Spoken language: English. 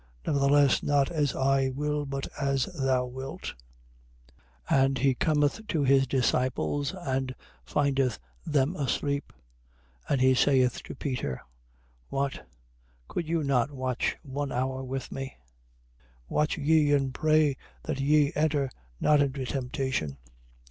Nevertheless, not as I will but as thou wilt. 26:40. And he cometh to his disciples and findeth them asleep. And he saith to Peter: What? Could you not watch one hour with me? 26:41. Watch ye: and pray that ye enter not into temptation.